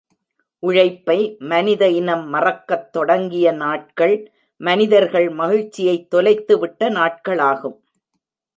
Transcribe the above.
உழைப்பை மனித இனம் மறக்கத் தொடங்கிய நாட்கள், மனிதர்கள் மகிழ்ச்சியைத் தொலைத்துவிட்ட நாட்களாகும்.